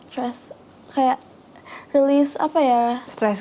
enggak bukan stress sih sebenarnya kayak apa ya menenangkan hati